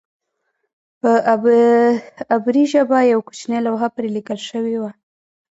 په عبري ژبه یوه کوچنۍ لوحه پرې لیکل شوې وه.